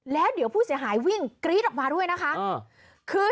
แล้วเดี๋ยวผู้เสียหายวิ่งกรี๊ดออกมาด้วยนะคะ